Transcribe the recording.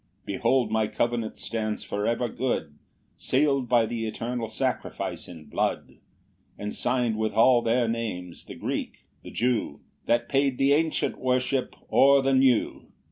4 "Behold my covenant stands for ever good, "Seal'd by th' eternal sacrifice in blood, "And sign'd with all their names, the Greek, the Jew, "That paid the ancient worship or the new."